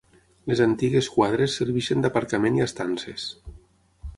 Les antigues quadres serveixen d'aparcament i estances.